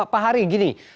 pak hari gini